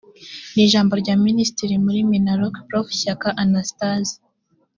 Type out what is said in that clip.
ni ijambo rya minisitiri muri minaloc prof shyaka anastase